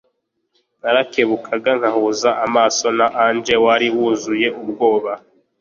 Narakebukaga nkahuza amaso na Angel wari wuzuye ubwoba